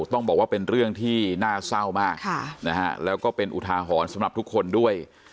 ต้องบอกว่าเป็นเรื่องที่น่าเศร้ามากแล้วก็เป็นอุทาหรณ์สำหรับทุกคนด้วย